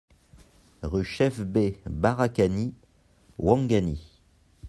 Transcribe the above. RUE CHEF BE - BARAKANI, Ouangani